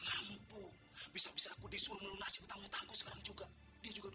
aku bisa aku disuruh melunasi utang utangku sekarang juga dia juga